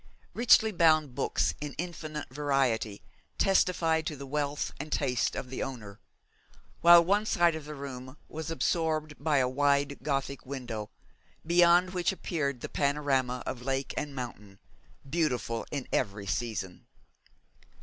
Richly bound books in infinite variety testified to the wealth and taste of the owner; while one side of the room was absorbed by a wide Gothic window, beyond which appeared the panorama of lake and mountain, beautiful in every season.